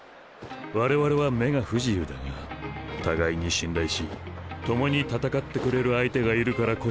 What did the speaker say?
我々は目が不自由だが互いに信頼し共に戦ってくれる相手がいるからこそ